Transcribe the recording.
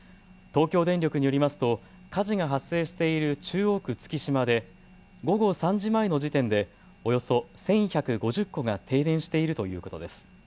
東京電力によりますと火事が発生している中央区月島で午後３時前の時点でおよそ１１５０戸が停電しているということです。